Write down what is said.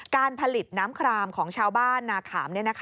การผลิตน้ำครามของชาวบ้านนาขาม